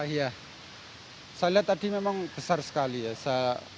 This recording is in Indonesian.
iya saya lihat tadi memang besar sekali ya